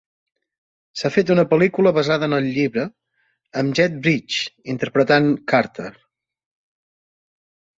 S'ha fet una pel·lícula basada en el llibre, amb Jeff Bridges interpretant Carter.